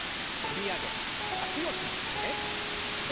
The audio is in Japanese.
振り上げてわきを締めて。